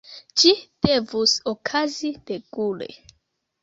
Ĝi devus okazi regule.